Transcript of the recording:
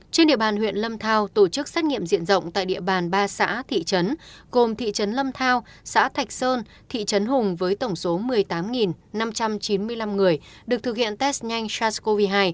trên địa bàn huyện lâm thao tổ chức xét nghiệm diện rộng tại địa bàn ba xã thị trấn gồm thị trấn lâm thao xã thạch sơn thị trấn hùng với tổng số một mươi tám năm trăm chín mươi năm người được thực hiện test nhanh sars cov hai